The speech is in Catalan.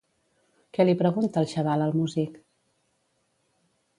Què li pregunta el xaval al músic?